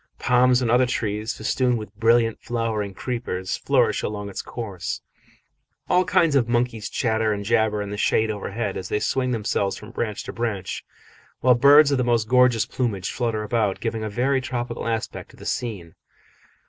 Palms and other trees, festooned with brilliant flowering creepers, flourish along its course; all kinds of monkeys chatter and jabber in the shade overhead as they swing themselves from branch to branch, while birds of the most gorgeous plumage flutter about, giving a very tropical aspect to the scene.